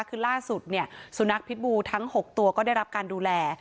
คือล่าสุดเนี่ยสุนัขพิษบูทั้ง๖ตัวก็ได้รับการดูแล